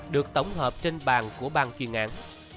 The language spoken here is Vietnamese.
được tổng hợp trên bàn của bang chuyên án